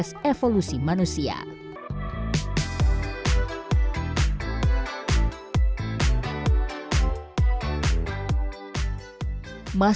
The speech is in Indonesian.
nah ya kita simpang keamaran